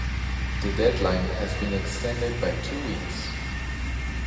The deadline has been extended by two weeks.